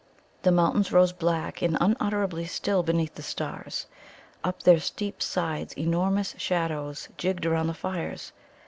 The mountains rose black and unutterably still beneath the stars. Up their steep sides enormous shadows jigged around the fires.